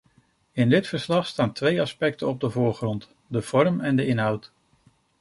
In dit verslag staan twee aspecten op de voorgrond: de vorm en de inhoud.